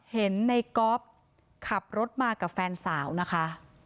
เห็นในก๊อฟขับรถมากับแฟนสาวนะคะ